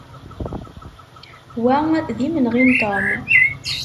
Wa d imenɣi n Tom.